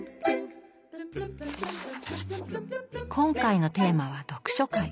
今回のテーマは読書会。